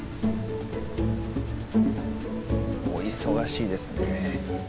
お忙しいですね。